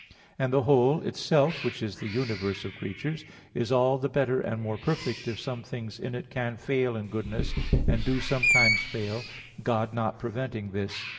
2). And the whole itself, which is the universe of creatures, is all the better and more perfect if some things in it can fail in goodness, and do sometimes fail, God not preventing this.